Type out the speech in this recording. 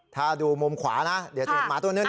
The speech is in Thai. ถ้าดูมุมขวาน่ะเดี๋ยวเจอกันข้าวตัวนึง